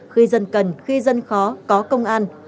khi dân cần khi dân khó có công an